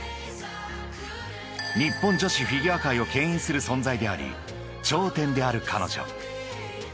［日本女子フィギュア界をけん引する存在であり頂点である彼女］